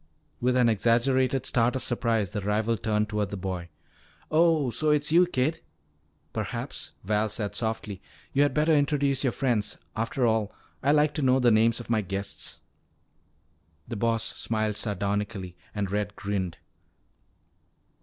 With an exaggerated start of surprise the rival turned toward the boy. "Oh, so it's you, kid?" "Perhaps," Val said softly, "you had better introduce your friends. After all, I like to know the names of my guests." The Boss smiled sardonically and Red grinned.